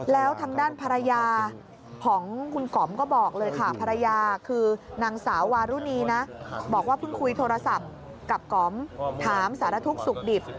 แล้วทางด้านภรรยาของคุณก๋อมก็บอกเลยค่ะภรรยาคือนางสาววารุณีนะบอกว่าเพิ่งคุยโทรศัพท์กับก๋อมถามสารทุกข์สุขดิบ